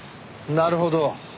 なるほど。